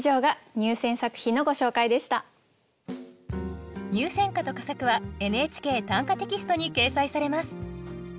入選歌と佳作は「ＮＨＫ短歌」テキストに掲載されます。